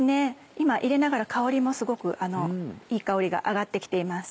今入れながら香りもすごくいい香りが上がって来ています。